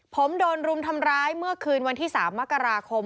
ผมโดนรุมทำร้ายเมื่อคืนวันที่๓มกราคม